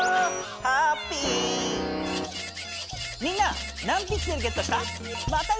みんな何ピクセルゲットした？